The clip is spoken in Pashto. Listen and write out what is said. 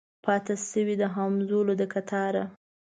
پاته شوي د همزولو د کتاره